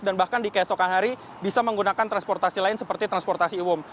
dan bahkan di keesokan hari bisa menggunakan transportasi lain seperti transportasi uom